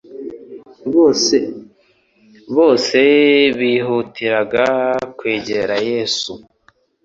bose bihutil-aga kwegera Yesu.